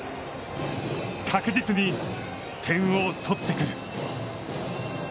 確実に点を取ってくる。